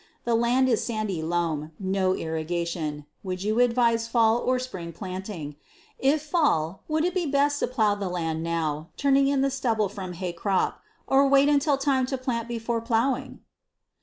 The land is sandy loam; no irrigation. Would you advise fall or spring planting? If fall, would it be best to plow the land now, turning in the stubble from hay crop, or wait until time to plant before plowing?